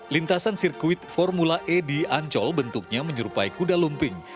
lintasan sirkuit formula e di ancol bentuknya menyerupai kuda lumping